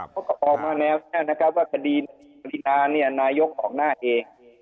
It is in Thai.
พวกเขาออกมาเนียวที่คดีน้ายกของนาที่เอง